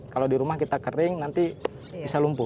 kalau di rumah kita kering nanti bisa lumpuh